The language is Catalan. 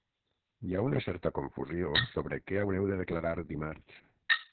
Hi ha una certa confusió sobre què haureu de declarar dimarts.